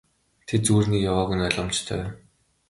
Тэд зүгээр нэг яваагүй нь ойлгомжтой.